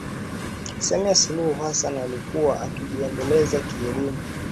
Samia Suluhu Hassan alikuwa akijiendeleza kielemu